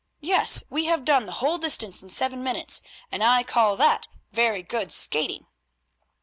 Yes, we have done the whole distance in seven minutes, and I call that very good skating."